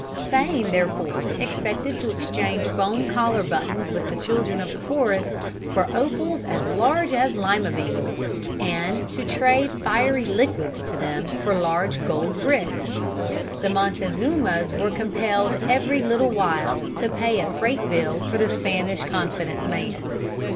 Spain, therefore, expected to exchange bone collar buttons with the children of the forest for opals as large as lima beans, and to trade fiery liquids to them for large gold bricks. The Montezumas were compelled every little while to pay a freight bill for the Spanish confidence man.